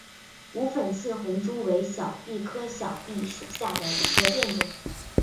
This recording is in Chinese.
无粉刺红珠为小檗科小檗属下的一个变种。